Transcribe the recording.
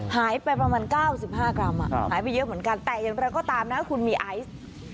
หายไปประมาณ๙๕กรัมหายไปเยอะเหมือนกันแต่อย่างไรก็ตามนะคุณมีไอซ์